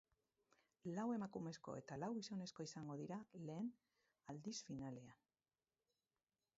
Lau emakumezko eta lau gizonezko izango dira lehen aldiz finalean.